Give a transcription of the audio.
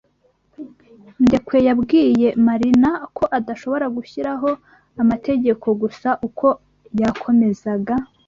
Ndekwe yabwiye Marina ko adashobora gushyiraho amategeko gusa uko yakomezaga.